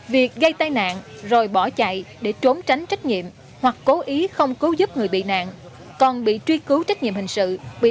việc gây tai nạn rồi bỏ chạy để trốn tránh trách nhiệm hoặc cố ý không cứu giúp người bị nạn còn bị truy cứu trách nhiệm hình sự